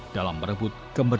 dalam merebut kembali ke kemampuan